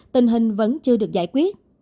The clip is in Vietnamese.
tình hình vẫn chưa được giải quyết